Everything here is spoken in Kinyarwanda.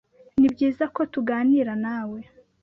Nibyiza ko tuganira nawe .